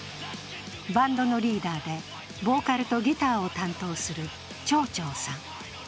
バンドのリーダーでボーカルとギターを担当するチョーチョーさん。